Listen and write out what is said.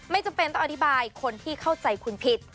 จำเป็นต้องอธิบายคนที่เข้าใจคุณผิด